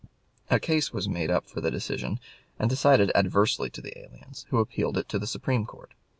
A case was made up for decision and decided adversely to the aliens, who appealed it to the Supreme Court.